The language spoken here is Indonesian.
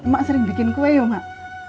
mak sering bikin kue yuk mak